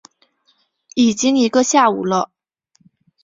已经一个下午了